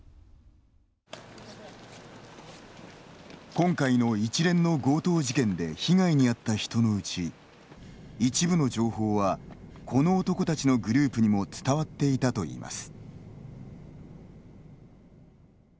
今回の一連の強盗事件で被害に遭った人のうち一部の情報はこの男たちのグループにも伝わっていたといいます。